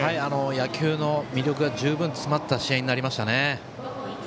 野球の魅力が十分詰まった試合になりましたね。